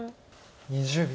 ２０秒。